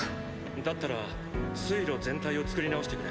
だったら水路全体を作り直してくれ。